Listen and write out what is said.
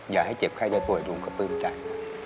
อย่าให้เจ็บใครได้ป่วยลุงเข้าเปลี่ยนใจ